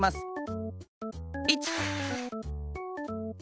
１！